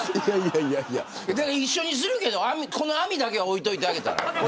一緒にするけど、この網だけは置いておいてあげたら。